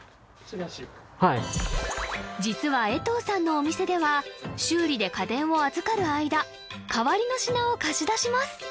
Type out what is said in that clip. はい実は江藤さんのお店では修理で家電を預かる間代わりの品を貸し出します